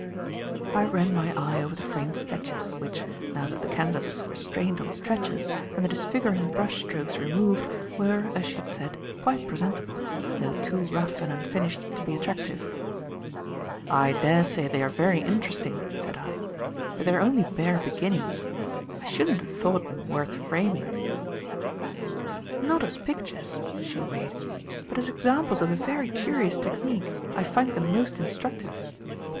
I ran my eye over the framed sketches, which, now that the canvases were strained on stretchers and the disfiguring brush strokes removed, were, as she had said, quite presentable, though too rough and unfinished to be attractive. "I daresay they are very interesting," said I, "but they are only bare beginnings. I shouldn't have thought them worth framing." "Not as pictures," she agreed, "but as examples of a very curious technique, I find them most instructive.